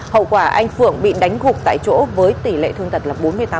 hậu quả anh phượng bị đánh gục tại chỗ với tỷ lệ thương tật là bốn mươi tám